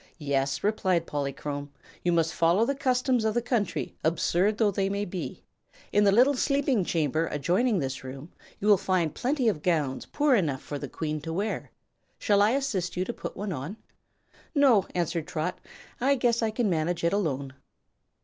"Yes," replied Polychrome, "you must follow the customs of the country, absurd though they may be. In the little sleeping chamber adjoining this room you will find plenty of gowns poor enough for the Queen to wear. Shall I assist you to put one on?" "No," answered Trot, "I guess I can manage it alone."